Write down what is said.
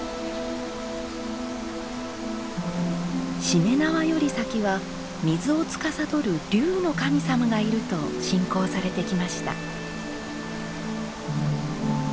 しめ縄より先は水をつかさどる龍の神様がいると信仰されてきました。